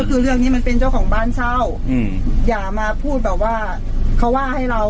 ก็คือเรื่องนี้มันเป็นเจ้าของบ้านเช่าอืมอย่ามาพูดแบบว่าเขาว่าให้เรา